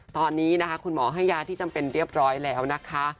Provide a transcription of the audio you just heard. ตอนนี้นะคะคุณหมอให้ยาที่จำเป็นเรียบร้อยแล้วนะคะ